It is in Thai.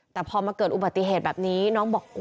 แต่พอมาเกิดอุบัติเหตุแบบนี้น้องบอก